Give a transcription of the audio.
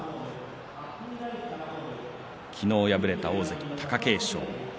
昨日敗れた大関貴景勝。